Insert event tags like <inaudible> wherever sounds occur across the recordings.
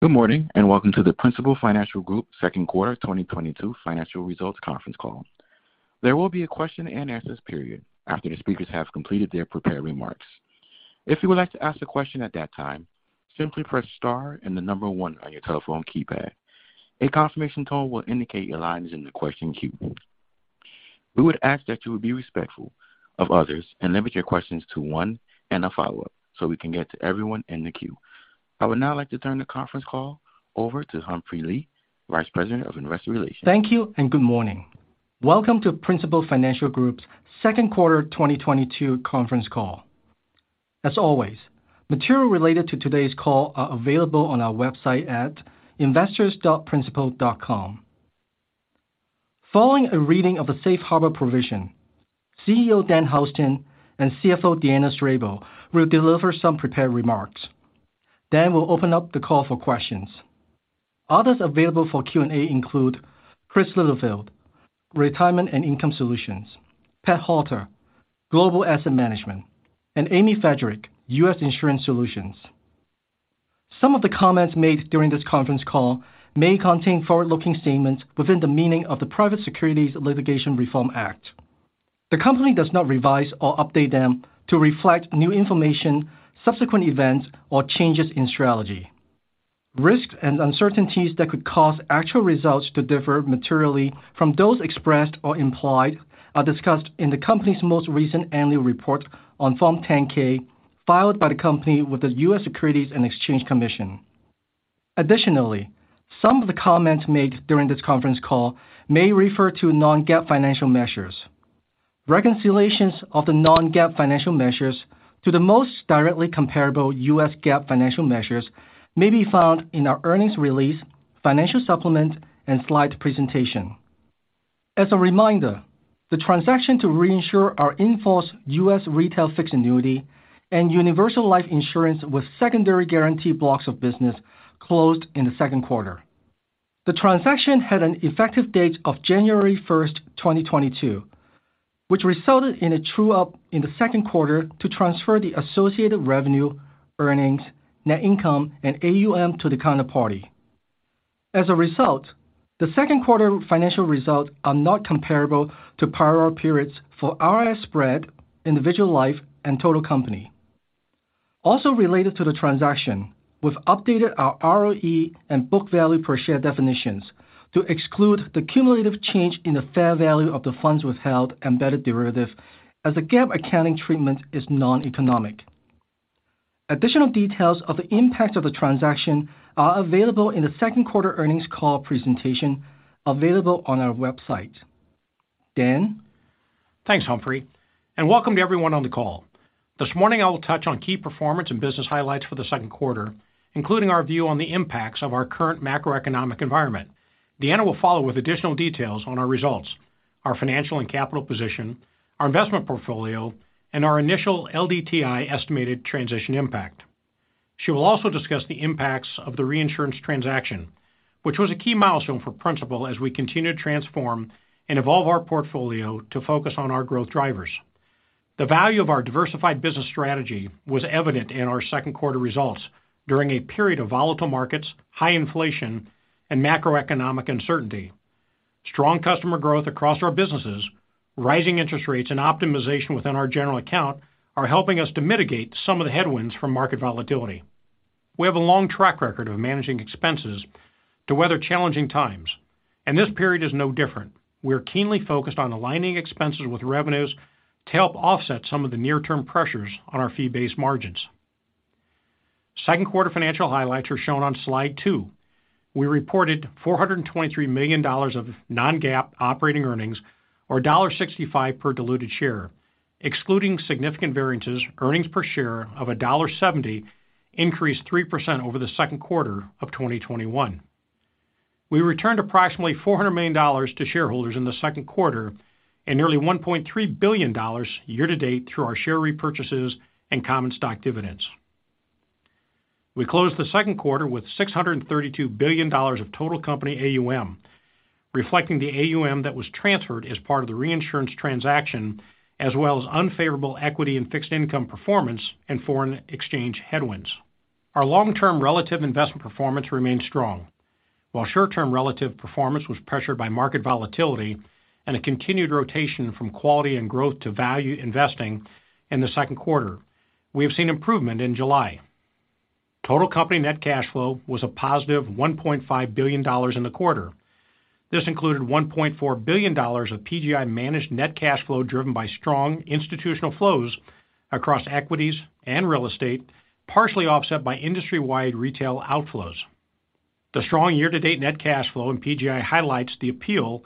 Good morning, and welcome to the Principal Financial Group second quarter 2022 financial results conference call. There will be a question and answers period after the speakers have completed their prepared remarks. If you would like to ask a question at that time, simply press star and the number one on your telephone keypad. A confirmation tone will indicate your line is in the question queue. We would ask that you would be respectful of others and limit your questions to one and a follow-up so we can get to everyone in the queue. I would now like to turn the conference call over to Humphrey Lee, Vice President of Investor Relations. Thank you and good morning. Welcome to Principal Financial Group's second quarter 2022 conference call. As always, material related to today's call are available on our website at investors.principal.com. Following a reading of the safe harbor provision, CEO Dan Houston and CFO Deanna Strable will deliver some prepared remarks, then we'll open up the call for questions. Others available for Q&A include Chris Littlefield, Retirement and Income Solutions, Pat Halter, Global Asset Management, and Amy Friedrich, U.S. Insurance Solutions. Some of the comments made during this conference call may contain forward-looking statements within the meaning of the Private Securities Litigation Reform Act. The company does not revise or update them to reflect new information, subsequent events, or changes in strategy. Risks and uncertainties that could cause actual results to differ materially from those expressed or implied are discussed in the company's most recent annual report on Form 10-K filed by the company with the U.S. Securities and Exchange Commission. Additionally, some of the comments made during this conference call may refer to non-GAAP financial measures. Reconciliations of the non-GAAP financial measures to the most directly comparable U.S. GAAP financial measures may be found in our earnings release, financial supplement, and slide presentation. As a reminder, the transaction to reinsure our in-force U.S. retail fixed annuity and universal life insurance with secondary guarantee blocks of business closed in the second quarter. The transaction had an effective date of January 1st, 2022, which resulted in a true up in the second quarter to transfer the associated revenue, earnings, net income, and AUM to the counterparty. As a result, the second quarter financial results are not comparable to prior periods for RIS-Spread, individual life, and total company. Also related to the transaction, we've updated our ROE and book value per share definitions to exclude the cumulative change in the fair value of the funds withheld embedded derivative as the GAAP accounting treatment is non-economic. Additional details of the impact of the transaction are available in the second quarter earnings call presentation available on our website. Dan? Thanks, Humphrey, and welcome to everyone on the call. This morning, I will touch on key performance and business highlights for the second quarter, including our view on the impacts of our current macroeconomic environment. Deanna will follow with additional details on our results, our financial and capital position, our investment portfolio, and our initial LDTI estimated transition impact. She will also discuss the impacts of the reinsurance transaction, which was a key milestone for Principal as we continue to transform and evolve our portfolio to focus on our growth drivers. The value of our diversified business strategy was evident in our second quarter results during a period of volatile markets, high inflation, and macroeconomic uncertainty. Strong customer growth across our businesses, rising interest rates, and optimization within our general account are helping us to mitigate some of the headwinds from market volatility. We have a long track record of managing expenses to weather challenging times, and this period is no different. We are keenly focused on aligning expenses with revenues to help offset some of the near-term pressures on our fee-based margins. Second quarter financial highlights are shown on slide two. We reported $423 million of non-GAAP operating earnings or $0.65 per diluted share. Excluding significant variances, earnings per share of $1.70 increased 3% over the second quarter of 2021. We returned approximately $400 million to shareholders in the second quarter and nearly $1.3 billion year to date through our share repurchases and common stock dividends. We closed the second quarter with $632 billion of total company AUM, reflecting the AUM that was transferred as part of the reinsurance transaction, as well as unfavorable equity and fixed income performance and foreign exchange headwinds. Our long-term relative investment performance remained strong. While short-term relative performance was pressured by market volatility and a continued rotation from quality and growth to value investing in the second quarter, we have seen improvement in July. Total company net cash flow was a +$1.5 billion in the quarter. This included $1.4 billion of PGI managed net cash flow driven by strong institutional flows across equities and real estate, partially offset by industry-wide retail outflows. The strong year-to-date net cash flow in PGI highlights the appeal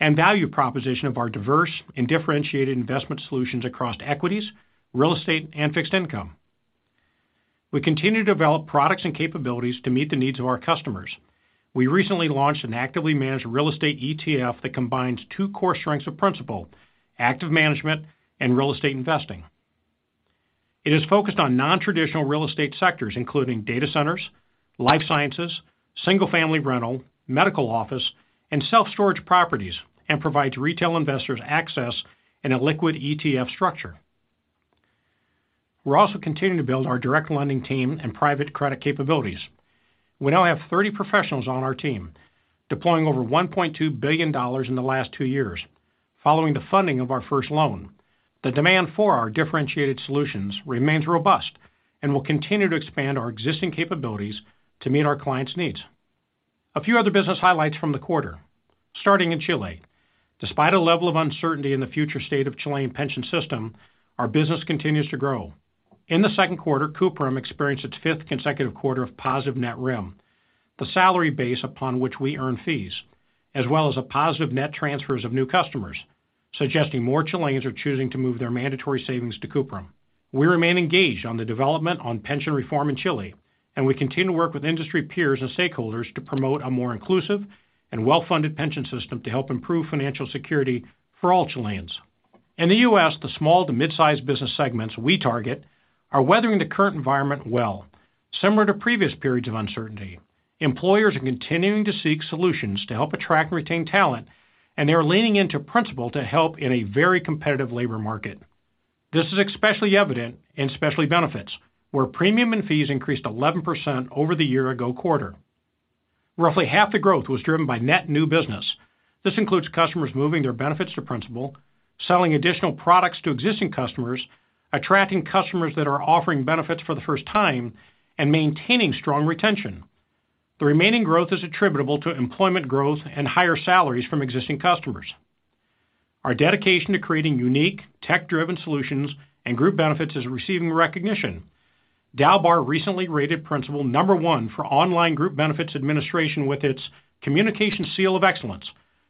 and value proposition of our diverse and differentiated investment solutions across equities, real estate, and fixed income. We continue to develop products and capabilities to meet the needs of our customers. We recently launched an actively managed real estate ETF that combines two core strengths of Principal, active management and real estate investing. It is focused on non-traditional real estate sectors including data centers, life sciences, single-family rental, medical office, and self-storage properties, and provides retail investors access in a liquid ETF structure. We're also continuing to build our direct lending team and private credit capabilities. We now have 30 professionals on our team, deploying over $1.2 billion in the last two years following the funding of our first loan. The demand for our differentiated solutions remains robust and will continue to expand our existing capabilities to meet our clients' needs. A few other business highlights from the quarter, starting in Chile. Despite a level of uncertainty in the future state of Chilean pension system, our business continues to grow. In the second quarter, Cuprum experienced its fifth consecutive quarter of positive net RIM, the salary base upon which we earn fees, as well as a positive net transfers of new customers, suggesting more Chileans are choosing to move their mandatory savings to Cuprum. We remain engaged on the development of pension reform in Chile, and we continue to work with industry peers and stakeholders to promote a more inclusive and well-funded pension system to help improve financial security for all Chileans. In the U.S., the small to mid-size business segments we target are weathering the current environment well. Similar to previous periods of uncertainty, employers are continuing to seek solutions to help attract and retain talent, and they are leaning into Principal to help in a very competitive labor market. This is especially evident in Specialty Benefits, where premium and fees increased 11% over the year-ago quarter. Roughly half the growth was driven by net new business. This includes customers moving their benefits to Principal, selling additional products to existing customers, attracting customers that are offering benefits for the first time, and maintaining strong retention. The remaining growth is attributable to employment growth and higher salaries from existing customers. Our dedication to creating unique tech-driven solutions and group benefits is receiving recognition. DALBAR recently rated Principal number one for online group benefits administration with its communication seal of excellence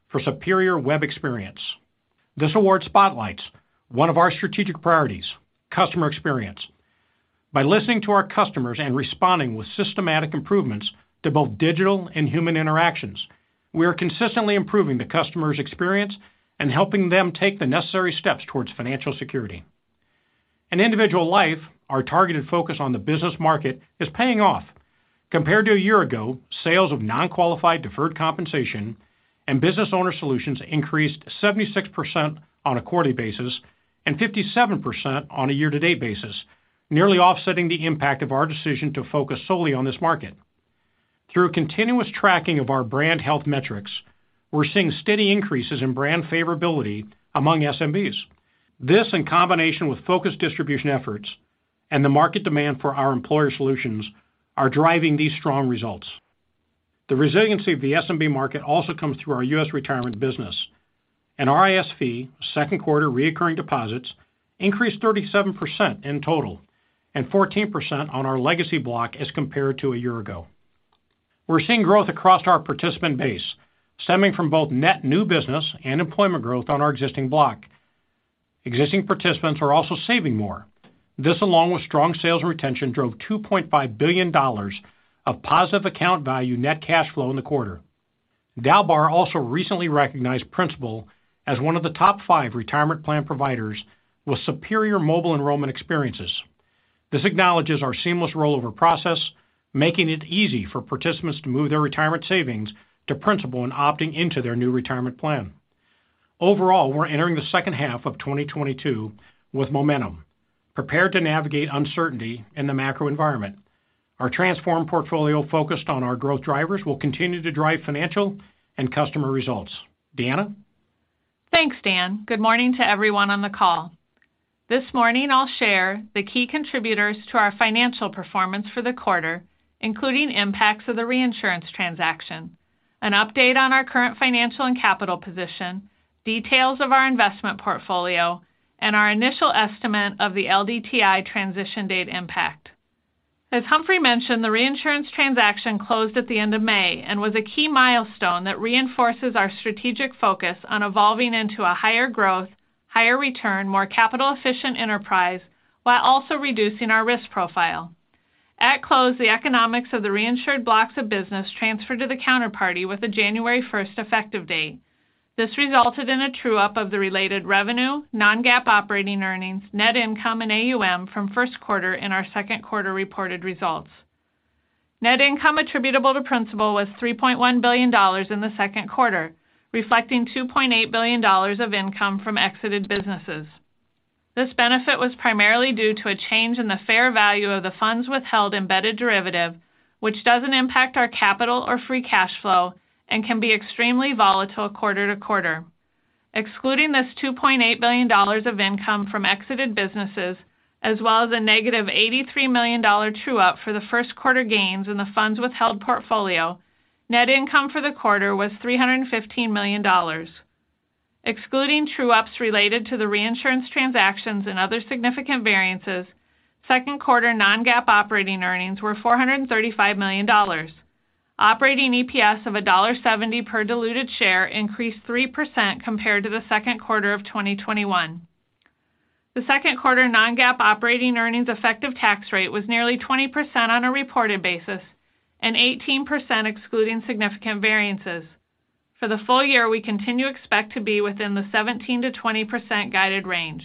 for superior web experience. This award spotlights one of our strategic priorities, customer experience. By listening to our customers and responding with systematic improvements to both digital and human interactions, we are consistently improving the customer's experience and helping them take the necessary steps towards financial security. In individual life, our targeted focus on the business market is paying off. Compared to a year ago, sales of non-qualified deferred compensation and business owner solutions increased 76% on a quarterly basis and 57% on a year-to-date basis, nearly offsetting the impact of our decision to focus solely on this market. Through continuous tracking of our brand health metrics, we're seeing steady increases in brand favorability among SMBs. This, in combination with focused distribution efforts and the market demand for our employer solutions, are driving these strong results. The resiliency of the SMB market also comes through our U.S. retirement business, and our RISP second quarter recurring deposits increased 37% in total and 14% on our legacy block as compared to a year ago. We're seeing growth across our participant base, stemming from both net new business and employment growth on our existing block. Existing participants are also saving more. This, along with strong sales retention, drove $2.5 billion of positive account value net cash flow in the quarter. DALBAR also recently recognized Principal as one of the top five retirement plan providers with superior mobile enrollment experiences. This acknowledges our seamless rollover process, making it easy for participants to move their retirement savings to Principal and opting into their new retirement plan. Overall, we're entering the second half of 2022 with momentum, prepared to navigate uncertainty in the macro environment. Our transformed portfolio focused on our growth drivers will continue to drive financial and customer results. Deanna? Thanks, Dan. Good morning to everyone on the call. This morning, I'll share the key contributors to our financial performance for the quarter, including impacts of the reinsurance transaction, an update on our current financial and capital position, details of our investment portfolio, and our initial estimate of the LDTI transition date impact. As Humphrey mentioned, the reinsurance transaction closed at the end of May and was a key milestone that reinforces our strategic focus on evolving into a higher growth, higher return, more capital-efficient enterprise while also reducing our risk profile. At close, the economics of the reinsured blocks of business transferred to the counterparty with a January first effective date. This resulted in a true up of the related revenue, non-GAAP operating earnings, net income, and AUM from first quarter in our second quarter reported results. Net income attributable to Principal was $3.1 billion in the second quarter, reflecting $2.8 billion of income from exited businesses. This benefit was primarily due to a change in the fair value of the funds withheld embedded derivative, which doesn't impact our capital or free cash flow and can be extremely volatile quarter to quarter. Excluding this $2.8 billion of income from exited businesses as well as a -$83 million true up for the first quarter gains in the funds withheld portfolio, net income for the quarter was $315 million. Excluding true ups related to the reinsurance transactions and other significant variances, second quarter non-GAAP operating earnings were $435 million. Operating EPS of $1.70 per diluted share increased 3% compared to the second quarter of 2021. The second quarter non-GAAP operating earnings effective tax rate was nearly 20% on a reported basis and 18% excluding significant variances. For the full year, we continue to expect to be within the 17%-20% guided range.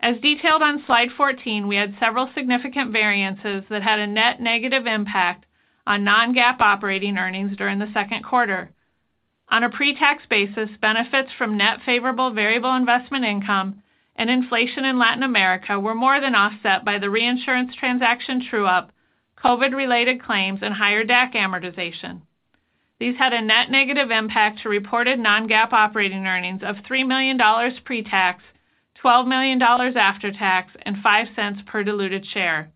As detailed on slide 14, we had several significant variances that had a net negative impact on non-GAAP operating earnings during the second quarter. On a pre-tax basis, benefits from net favorable variable investment income and inflation in Latin America were more than offset by the reinsurance transaction true up, COVID-related claims, and higher DAC amortization. These had a net negative impact to reported non-GAAP operating earnings of $3 million pre-tax, $12 million after tax, and $0.05 per diluted share.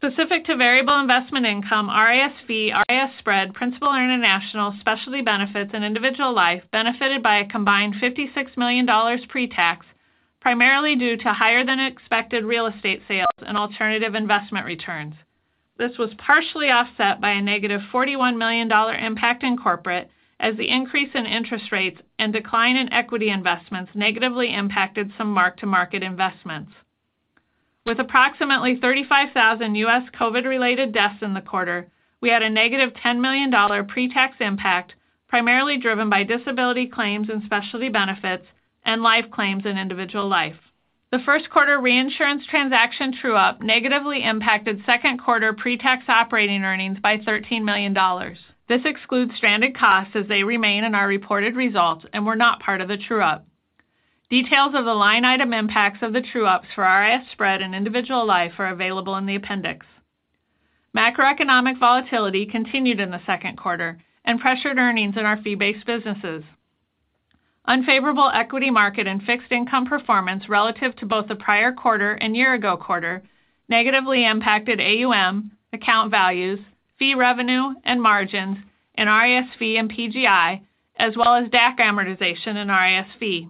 Specific to variable investment income, RISP, RIS-Spread, Principal International Specialty Benefits and Individual Life benefited by a combined $56 million pre-tax, primarily due to higher than expected real estate sales and alternative investment returns. This was partially offset by a -$41 million impact in corporate as the increase in interest rates and decline in equity investments negatively impacted some mark-to-market investments. With approximately 35,000 U.S. COVID-related deaths in the quarter, we had a -$10 million pre-tax impact, primarily driven by disability claims and specialty benefits and life claims in individual life. The first quarter reinsurance transaction true up negatively impacted second quarter pre-tax operating earnings by $13 million. This excludes stranded costs as they remain in our reported results and were not part of the true up. Details of the line item impacts of the true ups for RIS-Spread and individual life are available in the appendix. Macroeconomic volatility continued in the second quarter and pressured earnings in our fee-based businesses. Unfavorable equity market and fixed income performance relative to both the prior quarter and year-ago quarter negatively impacted AUM, account values, fee revenue, and margins in RISP and PGI, as well as DAC amortization in RISP.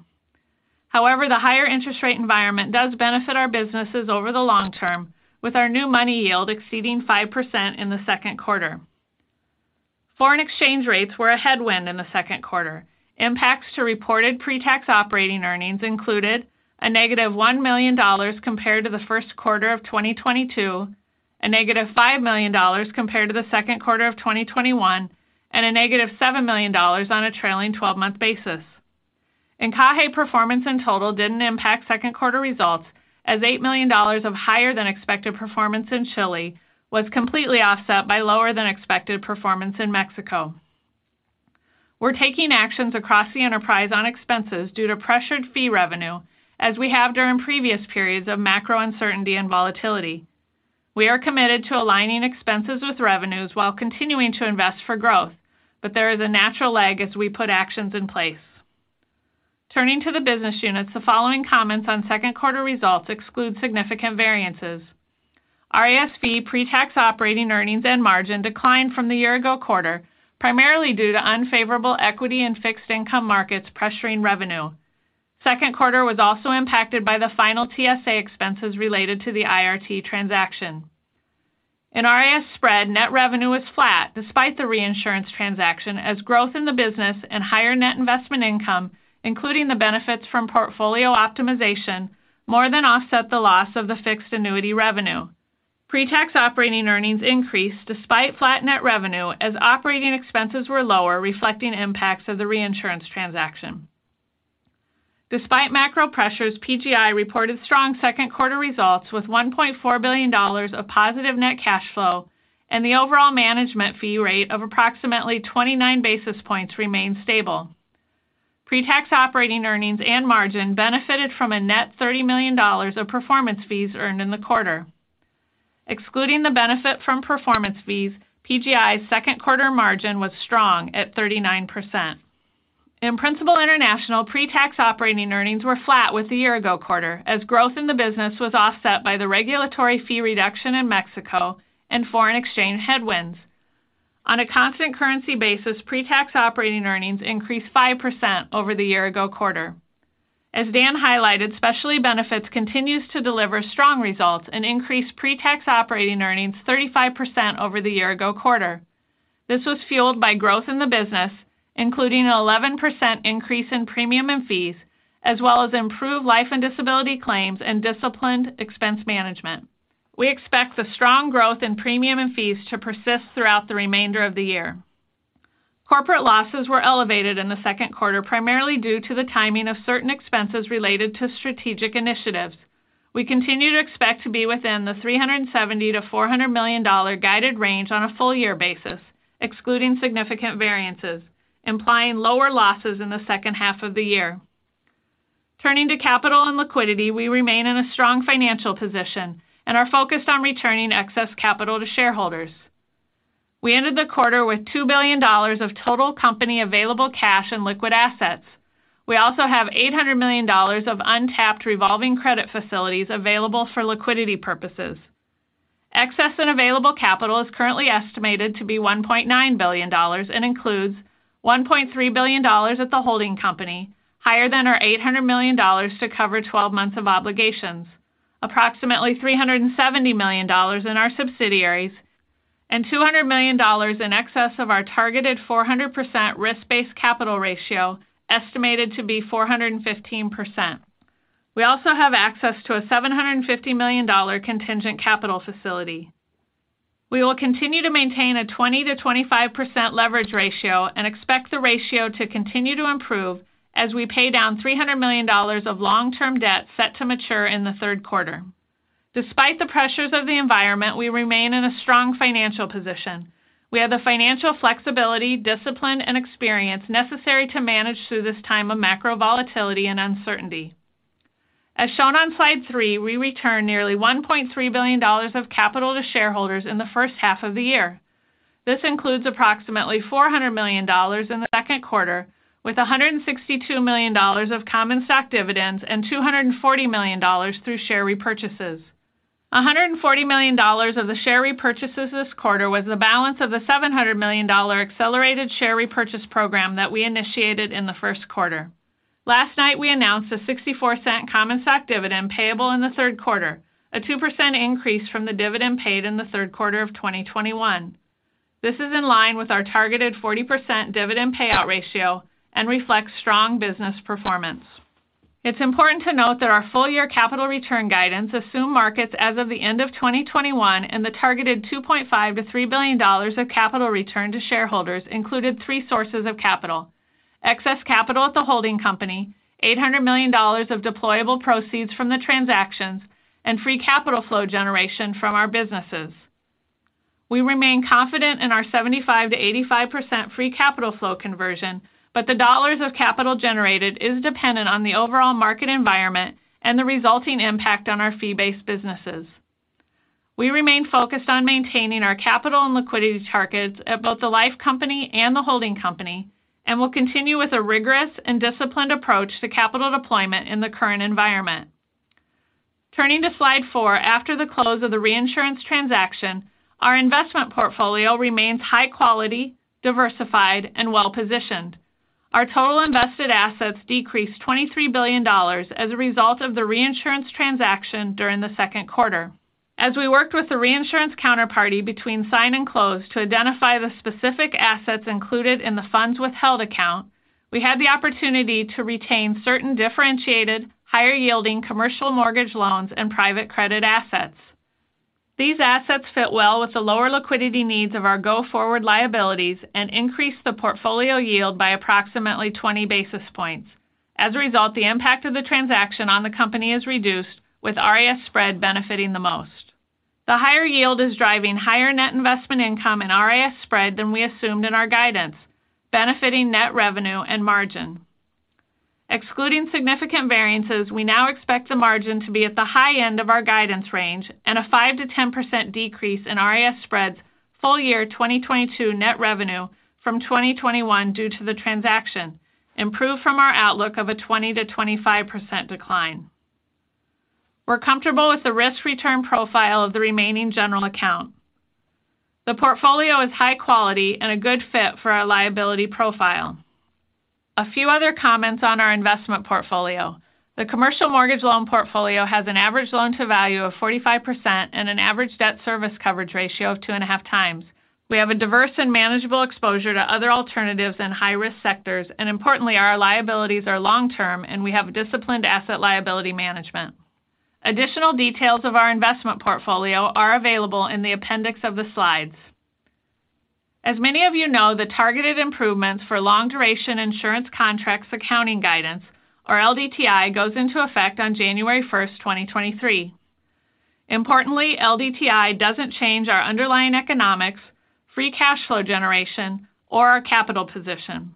However, the higher interest rate environment does benefit our businesses over the long term, with our new money yield exceeding 5% in the second quarter. Foreign exchange rates were a headwind in the second quarter. Impacts to reported pre-tax operating earnings included a -$1 million compared to the first quarter of 2022, a -$5 million compared to the second quarter of 2021, and a -$7 million on a trailing 12-month basis. In, <audio distortion> performance in total didn't impact second quarter results as $8 million of higher than expected performance in Chile was completely offset by lower than expected performance in Mexico. We're taking actions across the enterprise on expenses due to pressured fee revenue as we have during previous periods of macro uncertainty and volatility. We are committed to aligning expenses with revenues while continuing to invest for growth, but there is a natural lag as we put actions in place. Turning to the business units, the following comments on second quarter results exclude significant variances. RISP pre-tax operating earnings and margin declined from the year-ago quarter, primarily due to unfavorable equity and fixed income markets pressuring revenue. Second quarter was also impacted by the final TSA expenses related to the IRT transaction. In RIS-Spread, net revenue was flat despite the reinsurance transaction as growth in the business and higher net investment income, including the benefits from portfolio optimization, more than offset the loss of the fixed annuity revenue. Pre-tax operating earnings increased despite flat net revenue as operating expenses were lower, reflecting impacts of the reinsurance transaction. Despite macro pressures, PGI reported strong second quarter results with $1.4 billion of positive net cash flow and the overall management fee rate of approximately 29 basis points remained stable. Pre-tax operating earnings and margin benefited from a net $30 million of performance fees earned in the quarter. Excluding the benefit from performance fees, PGI's second quarter margin was strong at 39%. In Principal International, pre-tax operating earnings were flat with the year-ago quarter as growth in the business was offset by the regulatory fee reduction in Mexico and foreign exchange headwinds. On a constant currency basis, pre-tax operating earnings increased 5% over the year-ago quarter. As Dan highlighted, Specialty Benefits continues to deliver strong results and increased pre-tax operating earnings 35% over the year-ago quarter. This was fueled by growth in the business, including an 11% increase in premium and fees, as well as improved life and disability claims and disciplined expense management. We expect the strong growth in premium and fees to persist throughout the remainder of the year. Corporate losses were elevated in the second quarter, primarily due to the timing of certain expenses related to strategic initiatives. We continue to expect to be within the $370 million-$400 million guided range on a full year basis, excluding significant variances, implying lower losses in the second half of the year. Turning to capital and liquidity, we remain in a strong financial position and are focused on returning excess capital to shareholders. We ended the quarter with $2 billion of total company available cash and liquid assets. We also have $800 million of untapped revolving credit facilities available for liquidity purposes. Excess and available capital is currently estimated to be $1.9 billion and includes $1.3 billion at the holding company, higher than our $800 million to cover 12 months of obligations, approximately $370 million in our subsidiaries, and $200 million in excess of our targeted 400% risk-based capital ratio, estimated to be 415%. We also have access to a $750 million contingent capital facility. We will continue to maintain a 20%-25% leverage ratio and expect the ratio to continue to improve as we pay down $300 million of long-term debt set to mature in the third quarter. Despite the pressures of the environment, we remain in a strong financial position. We have the financial flexibility, discipline, and experience necessary to manage through this time of macro volatility and uncertainty. As shown on slide three, we returned nearly $1.3 billion of capital to shareholders in the first half of the year. This includes approximately $400 million in the second quarter, with $162 million of common stock dividends and $240 million through share repurchases. $140 million of the share repurchases this quarter was the balance of the $700 million accelerated share repurchase program that we initiated in the first quarter. Last night, we announced a 64-cent common stock dividend payable in the third quarter, a 2% increase from the dividend paid in the third quarter of 2021. This is in line with our targeted 40% dividend payout ratio and reflects strong business performance. It's important to note that our full year capital return guidance assume markets as of the end of 2021 and the targeted $2.5 billion-$3 billion of capital return to shareholders included three sources of capital, excess capital at the holding company, $800 million of deployable proceeds from the transactions, and free capital flow generation from our businesses. We remain confident in our 75%-85% free capital flow conversion, but the dollars of capital generated is dependent on the overall market environment and the resulting impact on our fee-based businesses. We remain focused on maintaining our capital and liquidity targets at both the life company and the holding company and will continue with a rigorous and disciplined approach to capital deployment in the current environment. Turning to slide four. After the close of the reinsurance transaction, our investment portfolio remains high quality, diversified, and well-positioned. Our total invested assets decreased $23 billion as a result of the reinsurance transaction during the second quarter. As we worked with the reinsurance counterparty between sign and close to identify the specific assets included in the funds withheld account, we had the opportunity to retain certain differentiated, higher-yielding commercial mortgage loans and private credit assets. These assets fit well with the lower liquidity needs of our go-forward liabilities and increased the portfolio yield by approximately 20 basis points. As a result, the impact of the transaction on the company is reduced, with RIS-Spread benefiting the most. The higher yield is driving higher net investment income and RIS-Spread than we assumed in our guidance, benefiting net revenue and margin. Excluding significant variances, we now expect the margin to be at the high end of our guidance range and a 5%-10% decrease in RIS-Spread's full-year 2022 net revenue from 2021 due to the transaction, improved from our outlook of a 20%-25% decline. We're comfortable with the risk return profile of the remaining general account. The portfolio is high quality and a good fit for our liability profile. A few other comments on our investment portfolio. The commercial mortgage loan portfolio has an average loan-to-value of 45% and an average debt service coverage ratio of 2.5 times. We have a diverse and manageable exposure to other alternatives in high-risk sectors, and importantly, our liabilities are long-term, and we have a disciplined asset-liability management. Additional details of our investment portfolio are available in the appendix of the slides. As many of you know, the targeted improvements for long duration insurance contracts accounting guidance, or LDTI, goes into effect on January 1st, 2023. Importantly, LDTI doesn't change our underlying economics, free cash flow generation, or our capital position,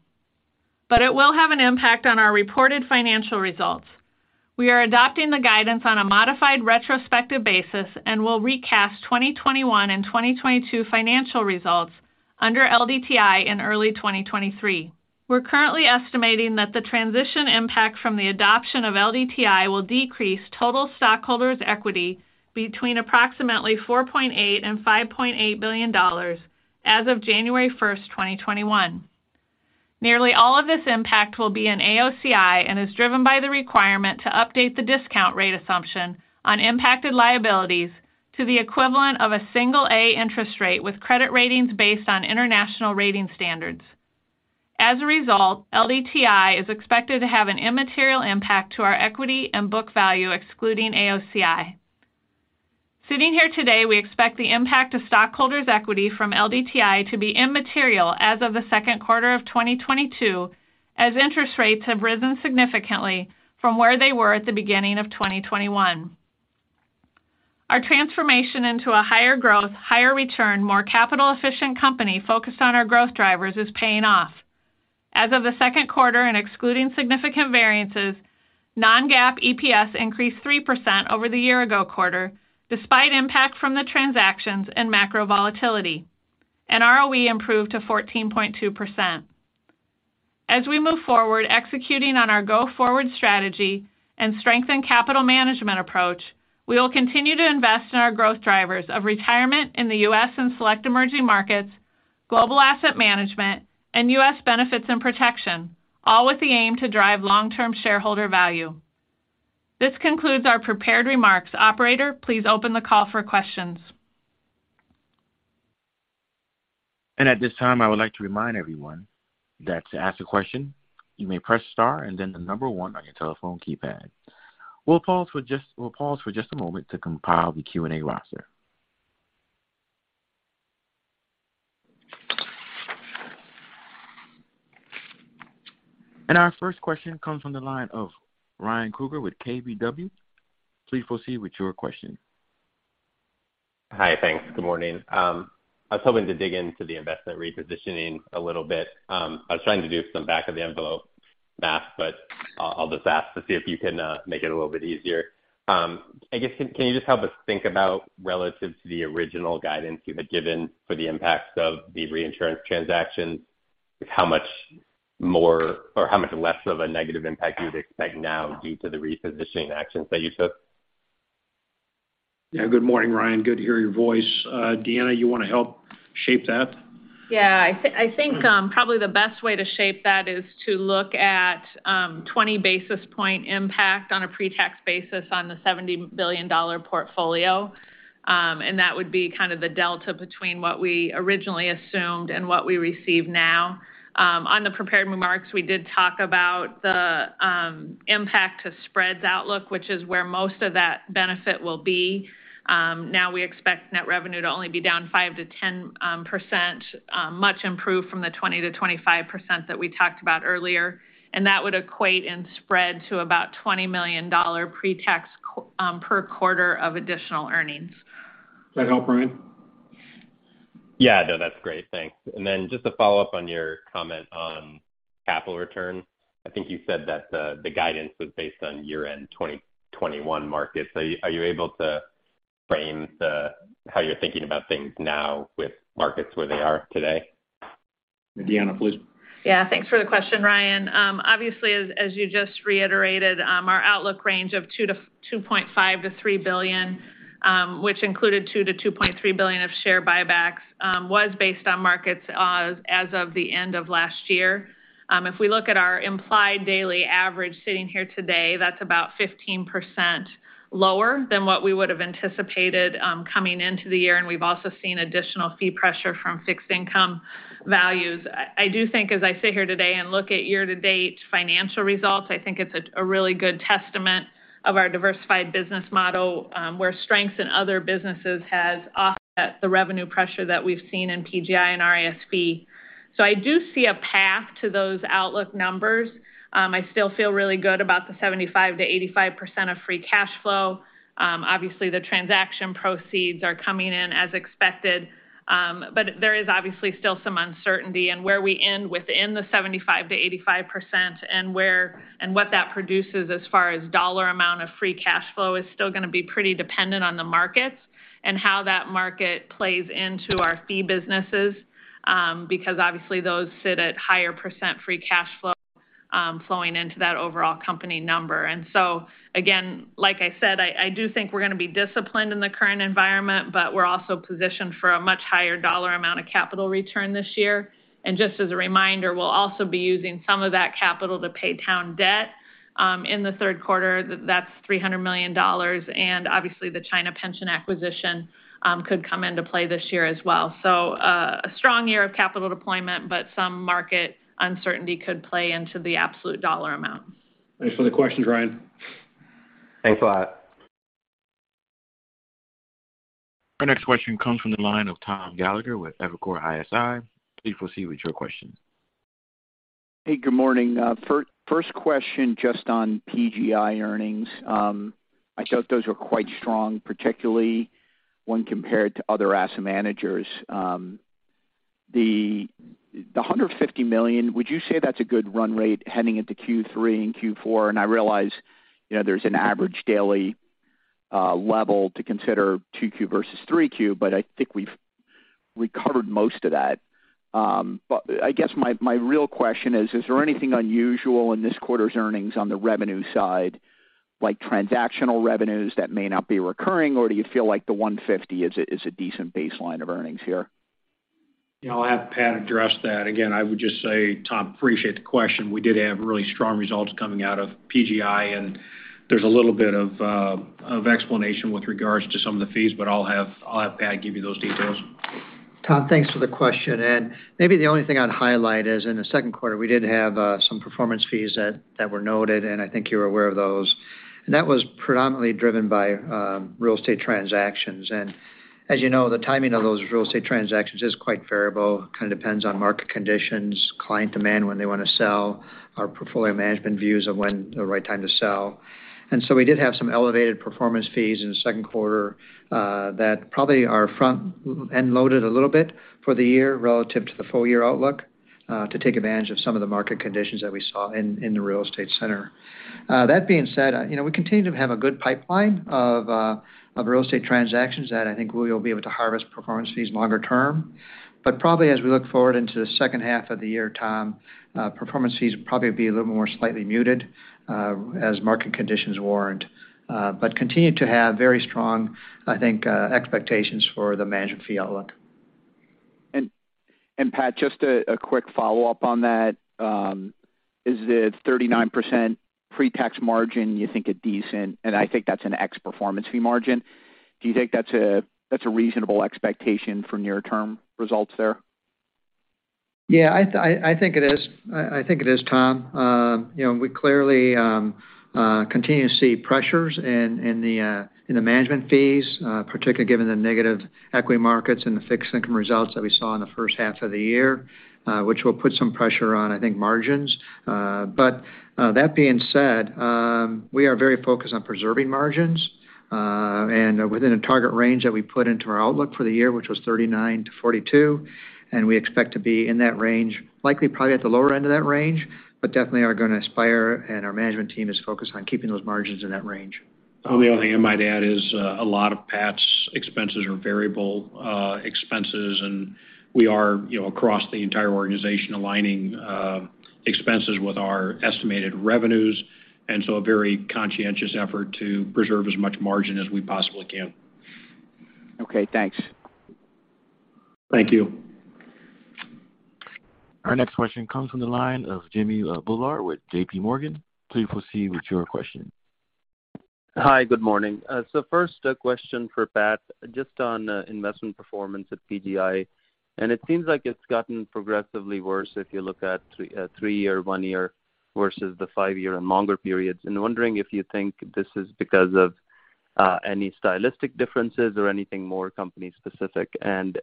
but it will have an impact on our reported financial results. We are adopting the guidance on a modified retrospective basis and will recast 2021 and 2022 financial results under LDTI in early 2023. We're currently estimating that the transition impact from the adoption of LDTI will decrease total stockholders' equity between approximately $4.8 billion and $5.8 billion as of January 1, 2021. Nearly all of this impact will be in AOCI and is driven by the requirement to update the discount rate assumption on impacted liabilities to the equivalent of a single-A interest rate with credit ratings based on international rating standards. As a result, LDTI is expected to have an immaterial impact to our equity and book value excluding AOCI. Sitting here today, we expect the impact to stockholders' equity from LDTI to be immaterial as of the second quarter of 2022, as interest rates have risen significantly from where they were at the beginning of 2021. Our transformation into a higher growth, higher return, more capital efficient company focused on our growth drivers is paying off. As of the second quarter, and excluding significant variances, non-GAAP EPS increased 3% over the year ago quarter, despite impact from the transactions and macro volatility, and ROE improved to 14.2%. As we move forward, executing on our go-forward strategy and strengthen capital management approach, we will continue to invest in our growth drivers of retirement in the U.S. and select emerging markets, global asset management, and U.S. benefits and protection, all with the aim to drive long-term shareholder value. This concludes our prepared remarks. Operator, please open the call for questions. At this time, I would like to remind everyone that to ask a question, you may press star and then the number one on your telephone keypad. We'll pause for just a moment to compile the Q&A roster. Our first question comes from the line of Ryan Krueger with KBW. Please proceed with your question. Hi. Thanks. Good morning. I was hoping to dig into the investment repositioning a little bit. I was trying to do some back of the envelope math, but I'll just ask to see if you can make it a little bit easier. I guess can you just help us think about relative to the original guidance you had given for the impacts of the reinsurance transactions, how much more or how much less of a negative impact you would expect now due to the repositioning actions that you took? Yeah. Good morning, Ryan. Good to hear your voice. Deanna, you wanna help shape that? Yeah. I think probably the best way to shape that is to look at 20 basis points impact on a pre-tax basis on the $70 billion portfolio. That would be kind of the delta between what we originally assumed and what we receive now. On the prepared remarks, we did talk about the impact to spreads outlook, which is where most of that benefit will be. Now we expect net revenue to only be down 5%-10%, much improved from the 20%-25% that we talked about earlier. That would equate and spread to about $20 million pre-tax per quarter of additional earnings. Does that help, Ryan? Yeah. No, that's great. Thanks. Just to follow up on your comment on capital return. I think you said that the guidance was based on year-end 2021 markets. Are you able to frame how you're thinking about things now with markets where they are today? Deanna, please. Yeah. Thanks for the question, Ryan. Obviously, as you just reiterated, our outlook range of $2.5 billion-$3 billion, which included $2 billion-$2.3 billion of share buybacks, was based on markets as of the end of last year. If we look at our implied daily average sitting here today, that's about 15% lower than what we would have anticipated coming into the year, and we've also seen additional fee pressure from fixed income values. I do think as I sit here today and look at year-to-date financial results, I think it's a really good testament of our diversified business model, where strengths in other businesses has offset the revenue pressure that we've seen in PGI and RISP. I do see a path to those outlook numbers. I still feel really good about the 75%-85% of free cash flow. Obviously, the transaction proceeds are coming in as expected. But there is obviously still some uncertainty in where we end within the 75%-85% and where and what that produces as far as dollar amount of free cash flow is still gonna be pretty dependent on the markets and how that market plays into our fee businesses, because obviously those sit at higher percent free cash flow, flowing into that overall company number. Again, like I said, I do think we're gonna be disciplined in the current environment, but we're also positioned for a much higher dollar amount of capital return this year. Just as a reminder, we'll also be using some of that capital to pay down debt, in the third quarter. That's $300 million, and obviously, the China pension acquisition could come into play this year as well. A strong year of capital deployment, but some market uncertainty could play into the absolute dollar amount. Thanks for the questions, Ryan. Thanks a lot. Our next question comes from the line of Tom Gallagher with Evercore ISI. Please proceed with your question. Hey, good morning. First question, just on PGI earnings. I thought those were quite strong, particularly when compared to other asset managers. The $150 million, would you say that's a good run rate heading into Q3 and Q4? I realize, you know, there's an average daily level to consider 2Q versus 3Q, but I think we've recovered most of that. But I guess my real question is there anything unusual in this quarter's earnings on the revenue side, like transactional revenues that may not be recurring, or do you feel like the $150 million is a decent baseline of earnings here? Yeah. I'll have Pat address that. Again, I would just say, Tom, appreciate the question. We did have really strong results coming out of PGI, and there's a little bit of explanation with regards to some of the fees, but I'll have Pat give you those details. Tom, thanks for the question. Maybe the only thing I'd highlight is in the second quarter, we did have some performance fees that were noted, and I think you're aware of those. That was predominantly driven by real estate transactions. As you know, the timing of those real estate transactions is quite variable. Kinda depends on market conditions, client demand, when they wanna sell, our portfolio management views of when the right time to sell. We did have some elevated performance fees in the second quarter that probably are front-end loaded a little bit for the year relative to the full year outlook to take advantage of some of the market conditions that we saw in the real estate sector. That being said, you know, we continue to have a good pipeline of real estate transactions that I think we will be able to harvest performance fees longer term. Probably as we look forward into the second half of the year, Tom, performance fees probably be a little more slightly muted as market conditions warrant. Continue to have very strong, I think, expectations for the management fee outlook. Pat, just a quick follow-up on that. Is the 39% pre-tax margin you think a decent, and I think that's an ex performance fee margin. Do you think that's a reasonable expectation for near term results there? Yeah, I think it is, Tom. You know, we clearly continue to see pressures in the management fees, particularly given the negative equity markets and the fixed income results that we saw in the first half of the year, which will put some pressure on, I think, margins. That being said, we are very focused on preserving margins and within a target range that we put into our outlook for the year, which was 39%-42%, and we expect to be in that range, likely probably at the lower end of that range, but definitely are gonna aspire, and our management team is focused on keeping those margins in that range. The only thing I might add is, a lot of Pat's expenses are variable expenses, and we are, you know, across the entire organization aligning expenses with our estimated revenues, and so a very conscientious effort to preserve as much margin as we possibly can. Okay, thanks. Thank you. Our next question comes from the line of Jimmy Bhullar with JPMorgan. Please proceed with your question. Hi, good morning. First, a question for Pat, just on investment performance at PGI, and it seems like it's gotten progressively worse if you look at three year, one year versus the five year and longer periods. Wondering if you think this is because of any stylistic differences or anything more company specific, and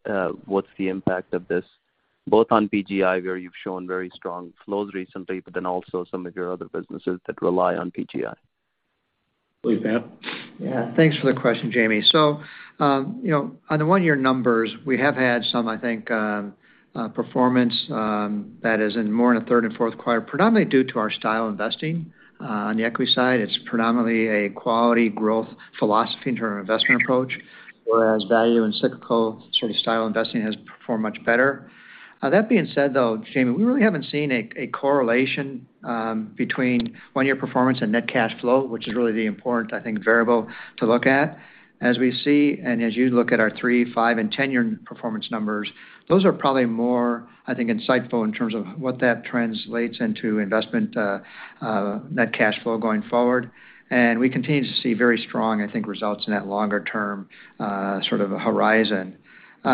what's the impact of this, both on PGI, where you've shown very strong flows recently, but then also some of your other businesses that rely on PGI. Please, Pat. Yeah. Thanks for the question, Jimmy. You know, on the one-year numbers, we have had some, I think, performance that is more in the third and fourth quarter, predominantly due to our style investing. On the equity side, it's predominantly a quality growth philosophy in terms of investment approach, whereas value and cyclical sort of style investing has performed much better. That being said, though, Jimmy, we really haven't seen a correlation between one-year performance and net cash flow, which is really the important, I think, variable to look at. As we see, and as you look at our three-, five-, and 10-year performance numbers, those are probably more, I think, insightful in terms of what that translates into investment net cash flow going forward. We continue to see very strong, I think, results in that longer term, sort of a horizon. You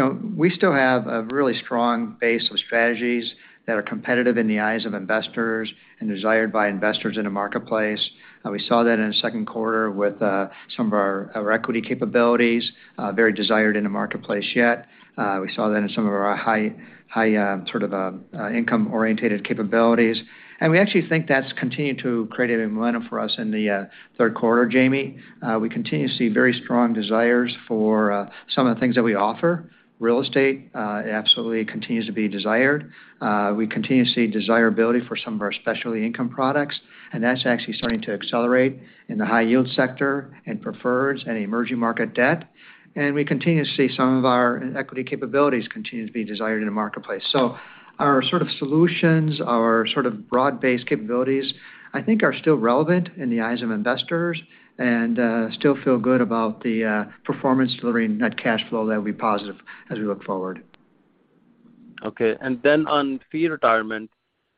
know, we still have a really strong base of strategies that are competitive in the eyes of investors and desired by investors in the marketplace. We saw that in the second quarter with some of our equity capabilities, very desired in the marketplace yet. We saw that in some of our high income-oriented capabilities. We actually think that's continued to create a momentum for us in the third quarter, Jimmy. We continue to see very strong desires for some of the things that we offer. Real estate absolutely continues to be desired. We continue to see desirability for some of our specialty income products, and that's actually starting to accelerate in the high yield sector and preferreds and emerging market debt. We continue to see some of our equity capabilities continue to be desired in the marketplace. Our sort of solutions, our sort of broad-based capabilities, I think are still relevant in the eyes of investors and still feel good about the performance delivering net cash flow that will be positive as we look forward. Okay. On fee retirement,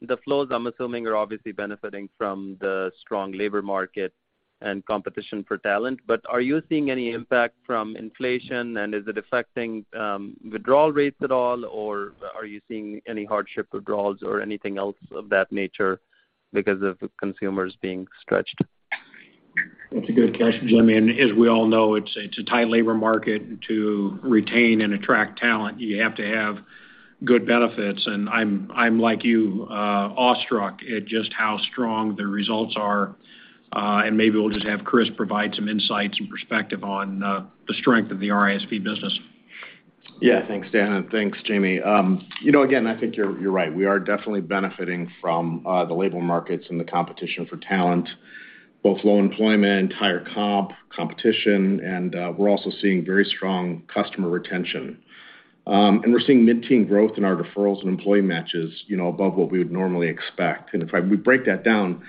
the flows, I'm assuming, are obviously benefiting from the strong labor market and competition for talent. Are you seeing any impact from inflation, and is it affecting withdrawal rates at all? Or are you seeing any hardship withdrawals or anything else of that nature because of consumers being stretched? That's a good question, Jimmy. As we all know, it's a tight labor market. To retain and attract talent, you have to have good benefits. I'm like you, awestruck at just how strong the results are. Maybe we'll just have Chris provide some insights and perspective on the strength of the RISP business. Yeah. Thanks, Dan, and thanks, Jimmy. You know, again, I think you're right. We are definitely benefiting from the labor markets and the competition for talent, both low unemployment, higher comp, competition, and we're also seeing very strong customer retention. We're seeing mid-teen growth in our deferrals and employee matches, you know, above what we would normally expect. We break that down,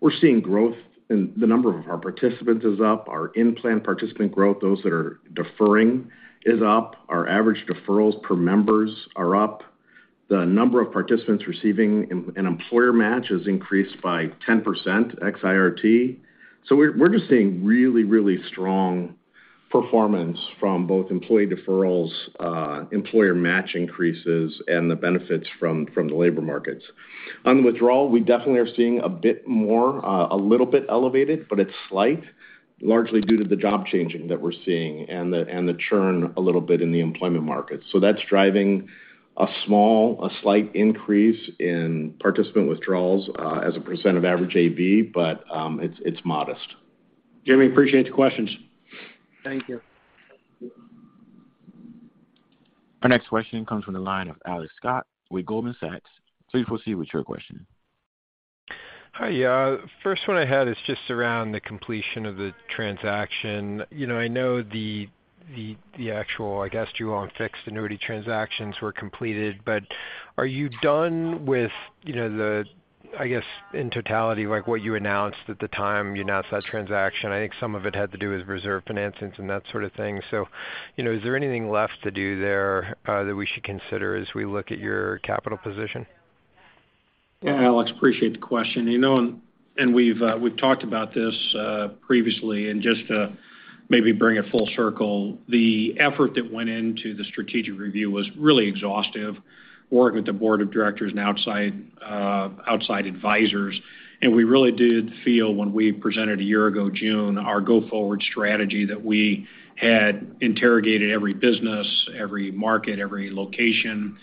we're seeing growth in the number of our participants is up, our in-plan participant growth, those that are deferring, is up. Our average deferrals per members are up. The number of participants receiving an employer match has increased by 10% ex IRT. We're just seeing really strong performance from both employee deferrals, employer match increases, and the benefits from the labor markets. On withdrawal, we definitely are seeing a bit more, a little bit elevated, but it's slight, largely due to the job changing that we're seeing and the churn a little bit in the employment market. That's driving a small, a slight increase in participant withdrawals, as a percent of average AV, but it's modest. Jimmy, appreciate the questions. Thank you. Our next question comes from the line of Alex Scott with Goldman Sachs. Please proceed with your question. Hi. First one I had is just around the completion of the transaction. You know, I know the actual, I guess, deferred and fixed annuity transactions were completed. Are you done with, you know, the, I guess, in totality, like, what you announced at the time you announced that transaction? I think some of it had to do with reserve financings and that sort of thing. You know, is there anything left to do there that we should consider as we look at your capital position? Yeah, Alex, appreciate the question. You know, we've talked about this previously, and just to maybe bring it full circle, the effort that went into the strategic review was really exhaustive, working with the board of directors and outside advisors. We really did feel when we presented a year ago June our go-forward strategy that we had interrogated every business, every market, every location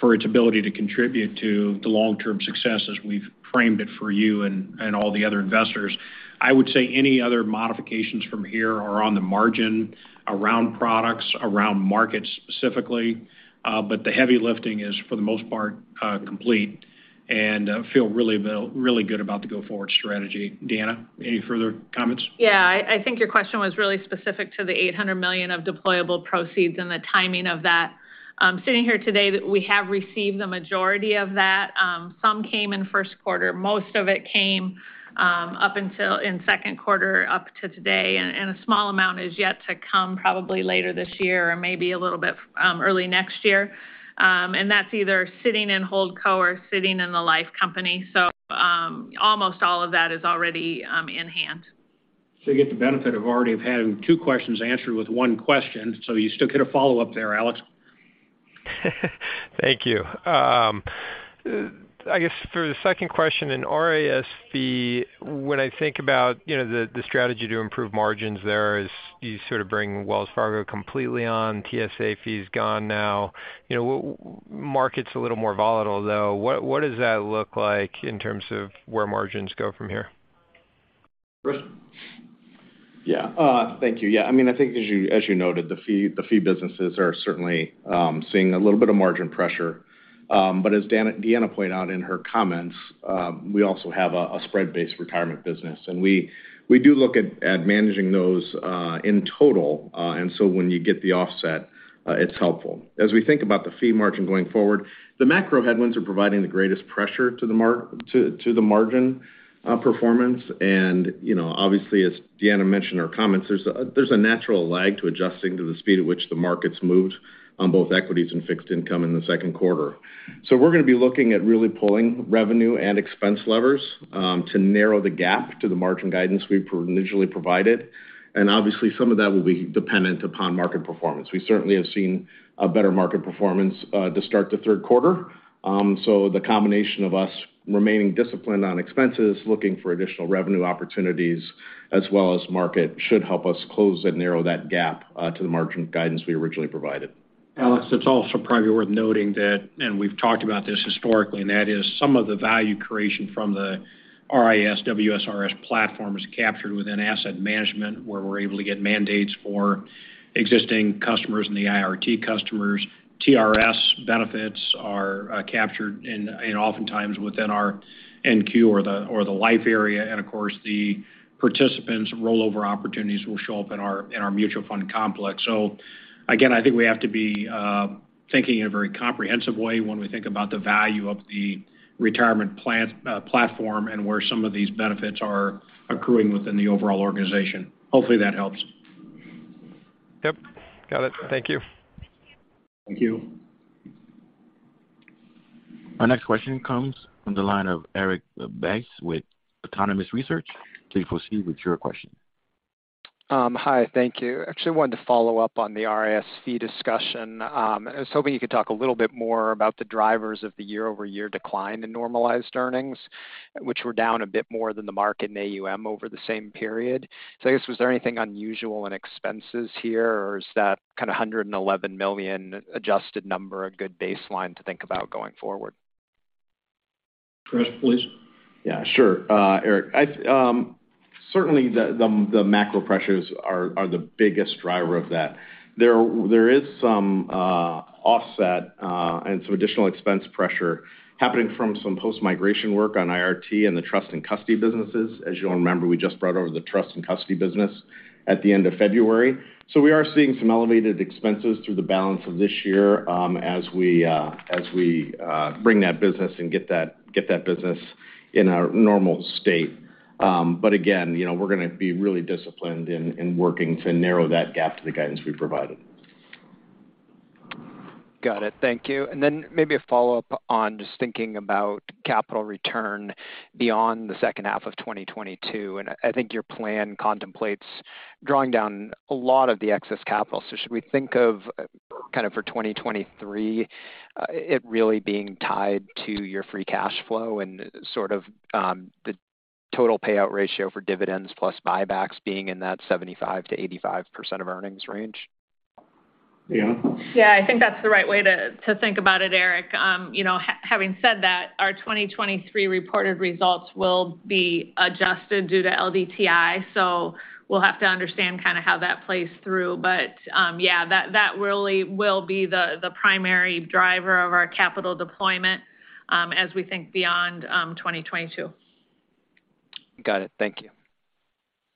for its ability to contribute to the long-term success as we've framed it for you and all the other investors. I would say any other modifications from here are on the margin around products, around markets specifically. The heavy lifting is, for the most part, complete. Feel really good about the go-forward strategy. Deanna, any further comments? Yeah. I think your question was really specific to the $800 million of deployable proceeds and the timing of that. Sitting here today, we have received the majority of that. Some came in first quarter, most of it came in second quarter up to today, and a small amount is yet to come probably later this year or maybe a little bit early next year. That's either sitting in holdco or sitting in the life company. Almost all of that is already in hand. You get the benefit of already have had two questions answered with one question, so you still get a follow-up there, Alex. Thank you. I guess for the second question in RISP, when I think about, you know, the strategy to improve margins there is you sort of bring Wells Fargo completely on, TSA fees gone now. You know, the market's a little more volatile, though. What does that look like in terms of where margins go from here? Chris? Yeah. Thank you. Yeah. I mean, I think as you noted, the fee businesses are certainly seeing a little bit of margin pressure. As Deanna pointed out in her comments, we also have a spread-based retirement business. We do look at managing those in total. When you get the offset, it's helpful. As we think about the fee margin going forward, the macro headwinds are providing the greatest pressure to the margin performance. You know, obviously, as Deanna mentioned in her comments, there's a natural lag to adjusting to the speed at which the market's moved on both equities and fixed income in the second quarter. We're gonna be looking at really pulling revenue and expense levers to narrow the gap to the margin guidance we initially provided. Obviously, some of that will be dependent upon market performance. We certainly have seen a better market performance to start the third quarter. The combination of us remaining disciplined on expenses, looking for additional revenue opportunities, as well as market, should help us close and narrow that gap to the margin guidance we originally provided. Alex, it's also probably worth noting that we've talked about this historically, and that is some of the value creation from the RIS WSRS platform is captured within asset management, where we're able to get mandates for existing customers and the IRT customers. TRS benefits are captured in oftentimes within our NQ or the life area. Of course, the participants' rollover opportunities will show up in our mutual fund complex. Again, I think we have to be thinking in a very comprehensive way when we think about the value of the retirement plan platform and where some of these benefits are accruing within the overall organization. Hopefully, that helps. Yep. Got it. Thank you. Thank you. Our next question comes from the line of Erik Bass with Autonomous Research. Please proceed with your question. Hi. Thank you. Actually wanted to follow up on the RISP discussion. I was hoping you could talk a little bit more about the drivers of the year-over-year decline in normalized earnings, which were down a bit more than the market and AUM over the same period. I guess, was there anything unusual in expenses here, or is that kind of $111 million adjusted number a good baseline to think about going forward? Chris, please. Yeah, sure, Erik. I certainly the macro pressures are the biggest driver of that. There is some offset and some additional expense pressure happening from some post-migration work on IRT and the trust and custody businesses. As you all remember, we just brought over the trust and custody business at the end of February. We are seeing some elevated expenses through the balance of this year, as we bring that business and get that business in a normal state. Again, you know, we're gonna be really disciplined in working to narrow that gap to the guidance we provided. Got it. Thank you. Then maybe a follow-up on just thinking about capital return beyond the second half of 2022. I think your plan contemplates drawing down a lot of the excess capital. Should we think of kind of for 2023, it really being tied to your free cash flow and sort of, the total payout ratio for dividends plus buybacks being in that 75%-85% of earnings range? Deanna? Yeah. I think that's the right way to think about it, Erik. You know, having said that, our 2023 reported results will be adjusted due to LDTI, so we'll have to understand kind of how that plays through. Yeah, that really will be the primary driver of our capital deployment, as we think beyond 2022. Got it. Thank you.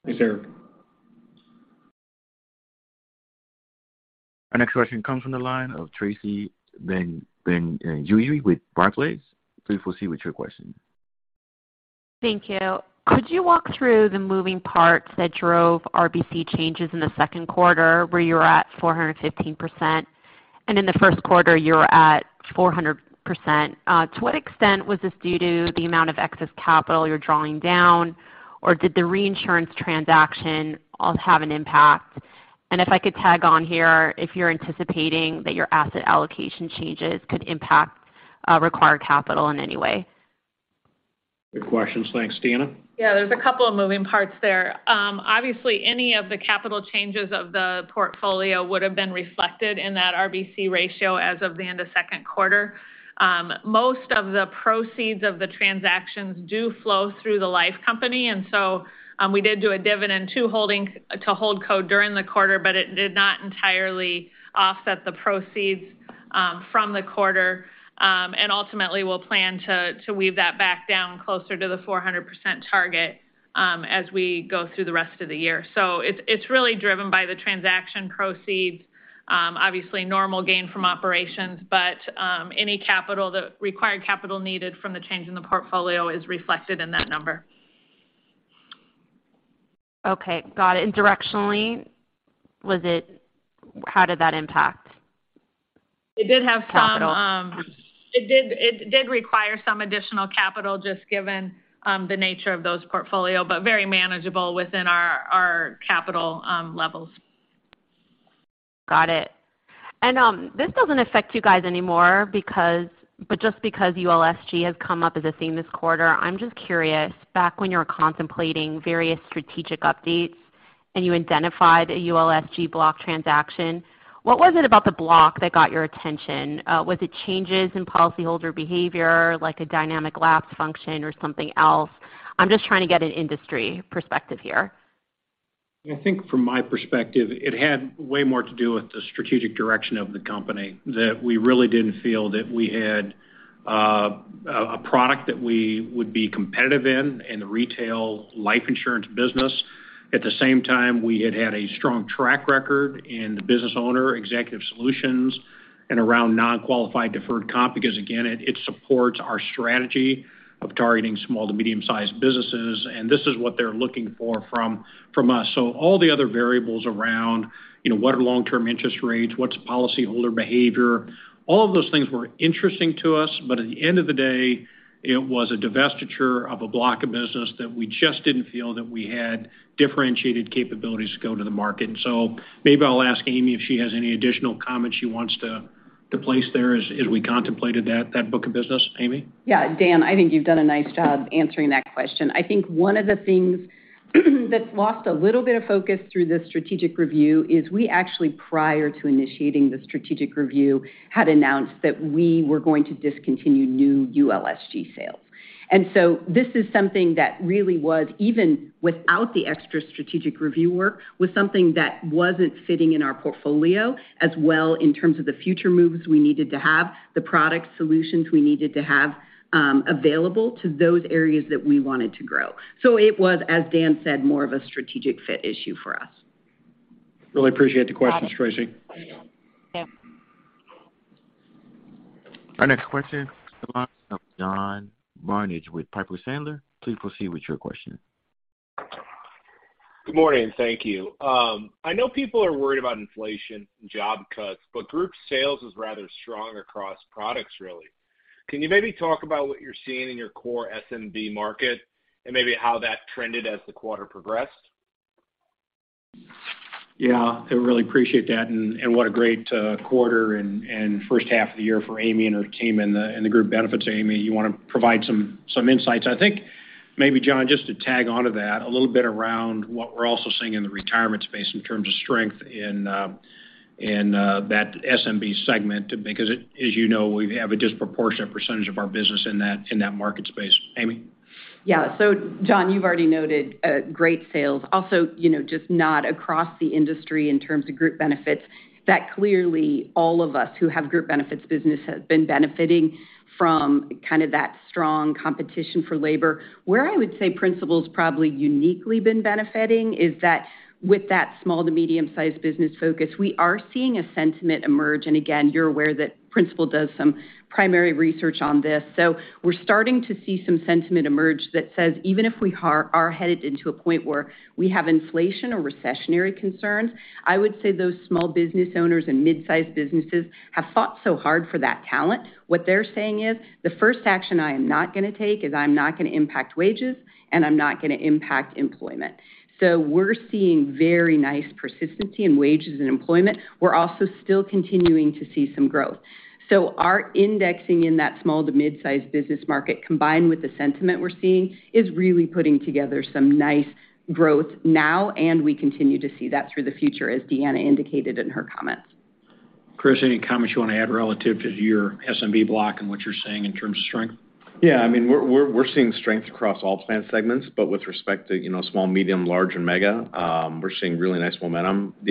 Thanks, Erik. Our next question comes from the line of Tracy Benguigui with Barclays. Please proceed with your question. Thank you. Could you walk through the moving parts that drove RBC changes in the second quarter where you're at 415% and in the first quarter you were at 400%? To what extent was this due to the amount of excess capital you're drawing down, or did the reinsurance transaction all have an impact? If I could tag on here, if you're anticipating that your asset allocation changes could impact required capital in any way? Good questions. Thanks. Deanna? Yeah, there's a couple of moving parts there. Obviously, any of the capital changes of the portfolio would have been reflected in that RBC ratio as of the end of second quarter. Most of the proceeds of the transactions do flow through the life company, and so, we did do a dividend to holdco during the quarter, but it did not entirely offset the proceeds from the quarter. Ultimately we'll plan to weave that back down closer to the 400% target as we go through the rest of the year. It's really driven by the transaction proceeds, obviously normal gain from operations. Any capital that required capital needed from the change in the portfolio is reflected in that number. Okay. Got it. How did that impact- It did have some. Capital? It did require some additional capital just given the nature of those portfolio, but very manageable within our capital levels. Got it. This doesn't affect you guys anymore, but just because ULSG has come up as a theme this quarter, I'm just curious, back when you were contemplating various strategic updates and you identified a ULSG block transaction, what was it about the block that got your attention? Was it changes in policyholder behavior, like a dynamic lapse function or something else? I'm just trying to get an industry perspective here. I think from my perspective, it had way more to do with the strategic direction of the company, that we really didn't feel that we had a product that we would be competitive in in the retail life insurance business. At the same time, we had had a strong track record in the business owner executive solutions and around non-qualified deferred comp, because again, it supports our strategy of targeting small to medium-sized businesses, and this is what they're looking for from us. All the other variables around, you know, what are long-term interest rates, what's policyholder behavior, all of those things were interesting to us. At the end of the day, it was a divestiture of a block of business that we just didn't feel that we had differentiated capabilities to go to the market. Maybe I'll ask Amy if she has any additional comments she wants to place there as we contemplated that book of business. Amy? Yeah. Dan, I think you've done a nice job answering that question. I think one of the things that's lost a little bit of focus through this strategic review is we actually, prior to initiating the strategic review, had announced that we were going to discontinue new ULSG sales. This is something that really was, even without the extra strategic review work, was something that wasn't fitting in our portfolio as well in terms of the future moves we needed to have, the product solutions we needed to have, available to those areas that we wanted to grow. It was, as Dan said, more of a strategic fit issue for us. Really appreciate the questions, Tracy. Got it. Sure. Our next question comes from the line of John Barnidge with Piper Sandler. Please proceed with your question. Good morning. Thank you. I know people are worried about inflation and job cuts, but group sales is rather strong across products, really. Can you maybe talk about what you're seeing in your core SMB market and maybe how that trended as the quarter progressed? Yeah. I really appreciate that and what a great quarter and first half of the year for Amy and her team in the group benefits. Amy, you wanna provide some insights? I think maybe, John, just to tag onto that a little bit around what we're also seeing in the retirement space in terms of strength in that SMB segment, because as you know, we have a disproportionate percentage of our business in that market space. Amy? Yeah. John, you've already noted great sales also, you know, just not across the industry in terms of group benefits, that clearly all of us who have group benefits business has been benefiting from kind of that strong competition for labor. Where I would say Principal's probably uniquely been benefiting is that with that small to medium-sized business focus, we are seeing a sentiment emerge. Again, you're aware that Principal does some primary research on this. We're starting to see some sentiment emerge that says even if we are headed into a point where we have inflation or recessionary concerns, I would say those small business owners and mid-sized businesses have fought so hard for that talent. What they're saying is, "The first action I am not gonna take is I'm not gonna impact wages and I'm not gonna impact employment." We're seeing very nice persistency in wages and employment. We're also still continuing to see some growth. Our indexing in that small to mid-sized business market, combined with the sentiment we're seeing, is really putting together some nice growth now, and we continue to see that through the future, as Deanna indicated in her comments. Chris, any comments you wanna add relative to your SMB block and what you're seeing in terms of strength? Yeah. I mean, we're seeing strength across all plan segments, but with respect to, you know, small, medium, large and mega, we're seeing really nice momentum. In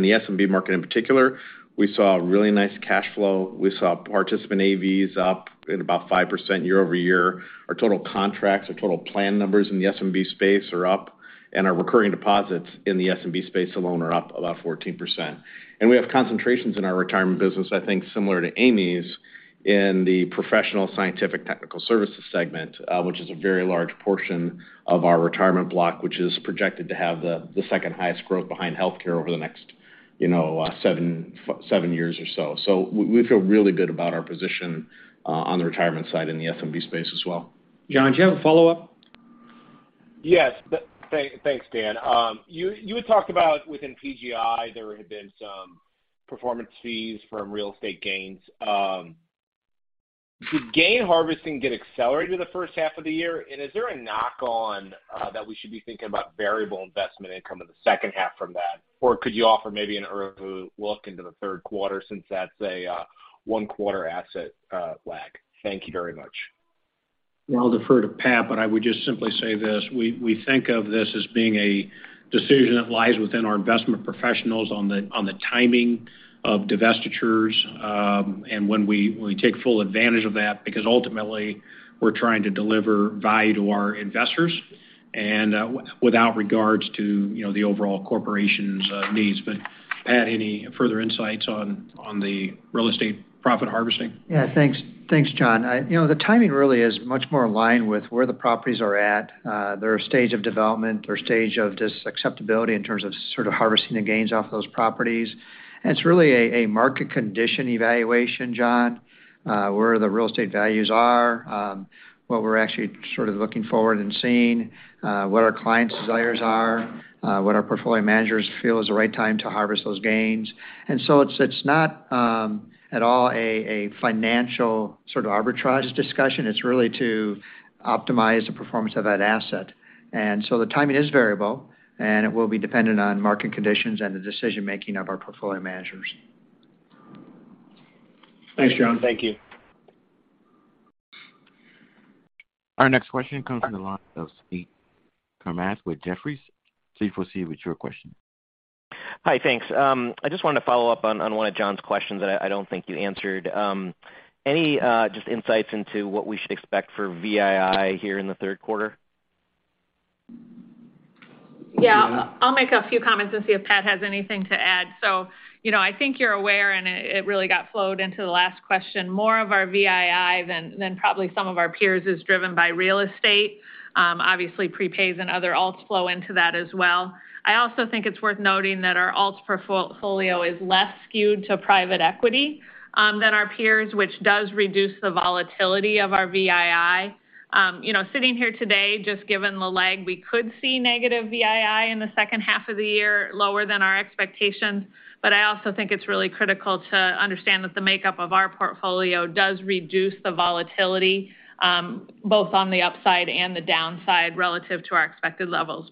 the SMB market in particular, we saw really nice cash flow. We saw participant AVs up at about 5% year-over-year. Our total contracts, our total plan numbers in the SMB space are up, and our recurring deposits in the SMB space alone are up about 14%. We have concentrations in our retirement business, I think similar to Amy's, in the professional scientific technical services segment, which is a very large portion of our retirement block, which is projected to have the second highest growth behind healthcare over the next, you know, seven years or so. We feel really good about our position on the retirement side in the SMB space as well. John, do you have a follow-up? Yes. Thanks, Dan. You had talked about within PGI, there had been some performance fees from real estate gains. Did gain harvesting get accelerated the first half of the year? Is there a knock on that we should be thinking about variable investment income in the second half from that? Could you offer maybe an early look into the third quarter since that's a one-quarter asset lag? Thank you very much. Well, I'll defer to Pat, but I would just simply say this, we think of this as being a decision that lies within our investment professionals on the timing of divestitures, and when we take full advantage of that, because ultimately we're trying to deliver value to our investors and without regards to, you know, the overall corporation's needs. Pat, any further insights on the real estate profit harvesting? Yeah, thanks. Thanks, John. You know, the timing really is much more aligned with where the properties are at, their stage of development or stage of just acceptability in terms of sort of harvesting the gains off those properties. It's really a market condition evaluation, John, where the real estate values are, what we're actually sort of looking forward and seeing, what our clients' desires are, what our portfolio managers feel is the right time to harvest those gains. It's not at all a financial sort of arbitrage discussion. It's really to optimize the performance of that asset. The timing is variable, and it will be dependent on market conditions and the decision-making of our portfolio managers. Thanks, John. Thank you. Our next question comes from the line of Suneet Kamath with Jefferies. Please proceed with your question. Hi, thanks. I just wanted to follow up on one of John's questions that I don't think you answered. Any just insights into what we should expect for VII here in the third quarter? Yeah. I'll make a few comments and see if Pat has anything to add. You know, I think you're aware, and it really got flowed into the last question, more of our VII than probably some of our peers is driven by real estate. Obviously prepays and other alts flow into that as well. I also think it's worth noting that our alts portfolio is less skewed to private equity than our peers, which does reduce the volatility of our VII. You know, sitting here today, just given the lag, we could see negative VII in the second half of the year, lower than our expectations. I also think it's really critical to understand that the makeup of our portfolio does reduce the volatility both on the upside and the downside relative to our expected levels.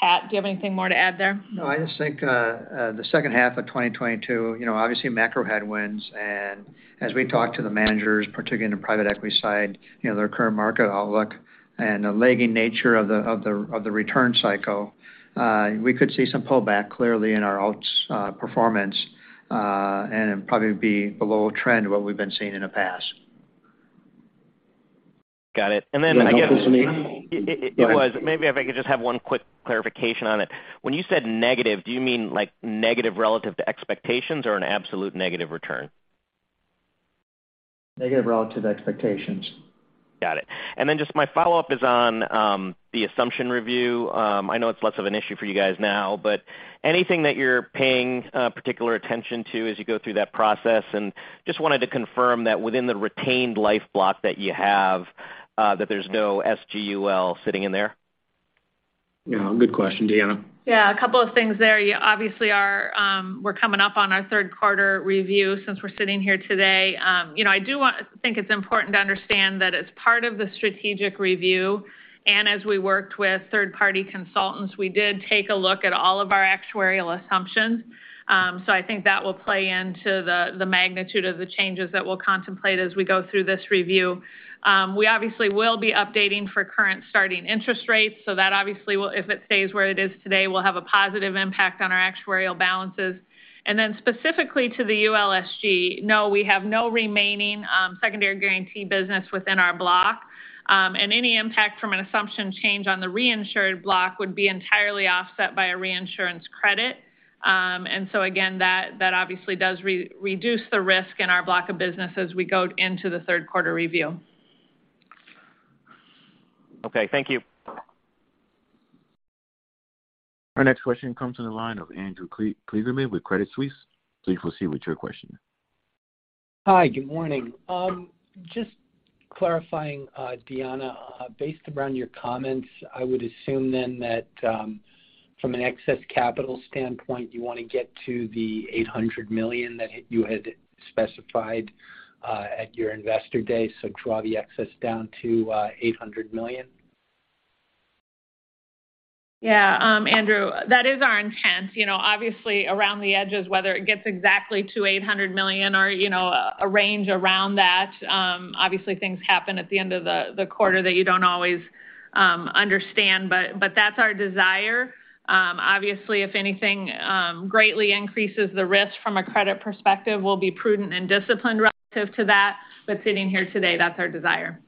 Pat, do you have anything more to add there? No, I just think the second half of 2022, you know, obviously macro headwinds, and as we talk to the managers, particularly in the private equity side, you know, their current market outlook and the lagging nature of the return cycle, we could see some pullback clearly in our alts performance, and probably be below trend what we've been seeing in the past. Got it. Maybe if I could just have one quick clarification on it. When you said negative, do you mean, like, negative relative to expectations or an absolute negative return? Negative relative expectations. Got it. Just my follow-up is on the assumption review. I know it's less of an issue for you guys now, but anything that you're paying particular attention to as you go through that process? Just wanted to confirm that within the retained life block that you have, that there's no ULSG sitting in there. Yeah. Good question. Deanna? Yeah. A couple of things there. We're coming up on our third quarter review since we're sitting here today. You know, think it's important to understand that as part of the strategic review and as we worked with third-party consultants, we did take a look at all of our actuarial assumptions. So I think that will play into the magnitude of the changes that we'll contemplate as we go through this review. We obviously will be updating for current starting interest rates, so that obviously will, if it stays where it is today, will have a positive impact on our actuarial balances. Then specifically to the ULSG, no, we have no remaining secondary guarantee business within our block. Any impact from an assumption change on the reinsured block would be entirely offset by a reinsurance credit. Again, that obviously does reduce the risk in our block of business as we go into the third quarter review. Okay. Thank you. Our next question comes from the line of Andrew Kligerman with Credit Suisse. Please proceed with your question. Hi. Good morning. Just clarifying, Deanna. Based around your comments, I would assume then that, from an excess capital standpoint, you wanna get to the $800 million that you had specified, at your investor day, so draw the excess down to, $800 million? Yeah. Andrew, that is our intent. You know, obviously around the edges, whether it gets exactly to $800 million or, you know, a range around that, obviously things happen at the end of the quarter that you don't always understand, but that's our desire. Obviously, if anything greatly increases the risk from a credit perspective, we'll be prudent and disciplined relative to that. Sitting here today, that's our desire.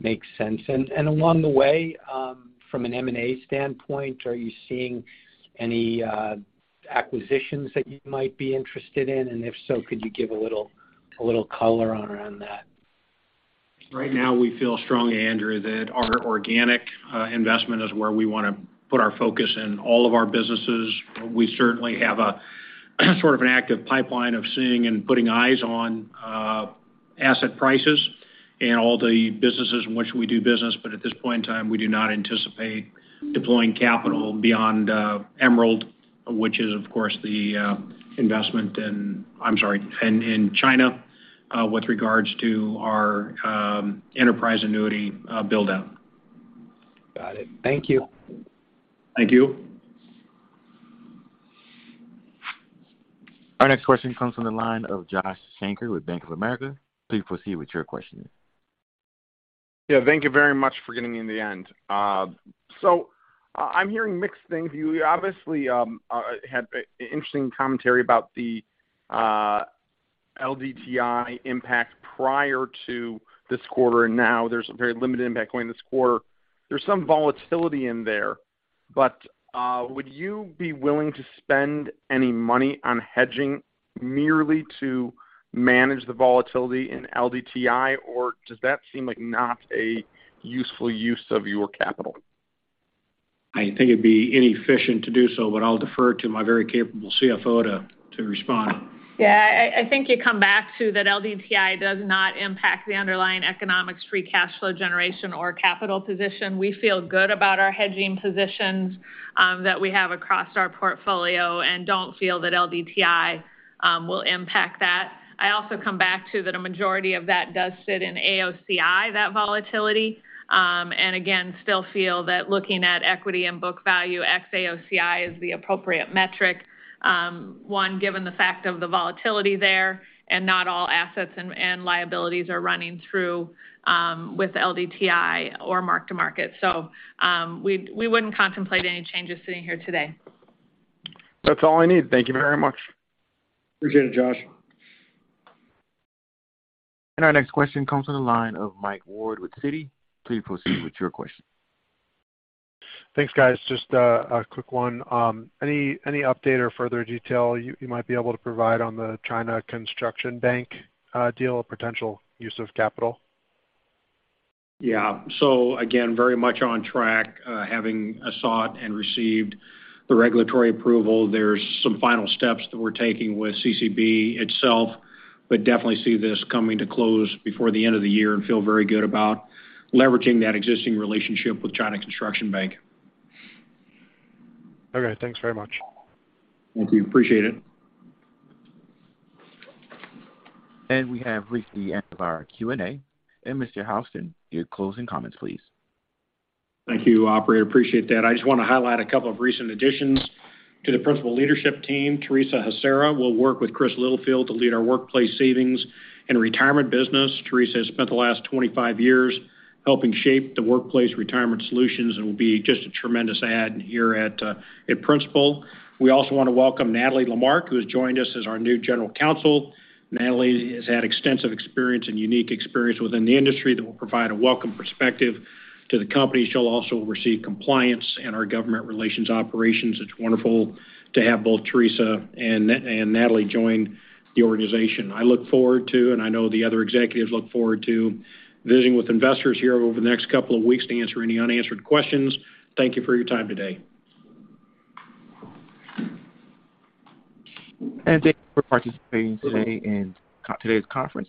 Makes sense. Along the way, from an M&A standpoint, are you seeing any acquisitions that you might be interested in? And if so, could you give a little color around that? Right now, we feel strongly, Andrew, that our organic investment is where we wanna put our focus in all of our businesses. We certainly have a sort of an active pipeline of seeing and putting eyes on asset prices in all the businesses in which we do business, but at this point in time, we do not anticipate deploying capital beyond Emerald, which is of course the investment in China with regards to our enterprise annuity build-out. Got it. Thank you. Thank you. Our next question comes from the line of Josh Shanker with Bank of America. Please proceed with your question. Yeah. Thank you very much for getting me in the end. I'm hearing mixed things. You obviously had an interesting commentary about the LDTI impact prior to this quarter, and now there's a very limited impact going this quarter. There's some volatility in there, but would you be willing to spend any money on hedging merely to manage the volatility in LDTI? Does that seem like not a useful use of your capital? I think it'd be inefficient to do so, but I'll defer to my very capable CFO to respond. Yeah. I think you come back to that LDTI does not impact the underlying economics free cash flow generation or capital position. We feel good about our hedging positions that we have across our portfolio and don't feel that LDTI will impact that. I also come back to that a majority of that does sit in AOCI, that volatility. And again, still feel that looking at equity and book value ex AOCI is the appropriate metric, one, given the fact of the volatility there and not all assets and liabilities are running through with LDTI or mark-to-market. We wouldn't contemplate any changes sitting here today. That's all I need. Thank you very much. Appreciate it, Josh. Our next question comes from the line of Mike Ward with Citi. Please proceed with your question. Thanks, guys. Just a quick one. Any update or further detail you might be able to provide on the China Construction Bank deal or potential use of capital? Yeah. Again, very much on track, having sought and received the regulatory approval. There's some final steps that we're taking with CCB itself, but definitely see this coming to close before the end of the year and feel very good about leveraging that existing relationship with China Construction Bank. Okay. Thanks very much. Thank you. Appreciate it. We have reached the end of our Q&A. Mr. Houston, your closing comments, please. Thank you, operator. Appreciate that. I just wanna highlight a couple of recent additions to the Principal leadership team. Teresa Hassara will work with Chris Littlefield to lead our workplace savings and retirement business. Teresa has spent the last 25 years helping shape the workplace retirement solutions and will be just a tremendous add here at Principal. We also wanna welcome Natalie Lamarque, who has joined us as our new general counsel. Natalie has had extensive experience and unique experience within the industry that will provide a welcome perspective to the company. She'll also oversee compliance and our government relations operations. It's wonderful to have both Teresa and Natalie join the organization. I look forward to, and I know the other executives look forward to visiting with investors here over the next couple of weeks to answer any unanswered questions. Thank you for your time today. Thank you for participating today in today's conference.